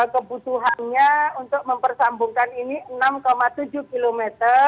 kebutuhannya untuk mempersambungkan ini enam tujuh km